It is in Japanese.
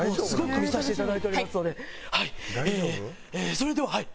それでははい。